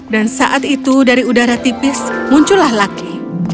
dan saat itu dari udara tipis muncullah lucky